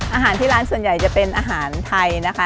อาหารที่ร้านส่วนใหญ่จะเป็นอาหารไทยนะคะ